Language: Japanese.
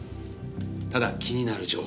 ただ気になる情報が。